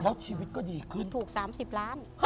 แล้วชีวิตก็ดีขึ้นถูก๓๐ล้าน